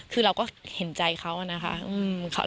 คือเราก็เห็นใจเขานี่ฯเราเคล้า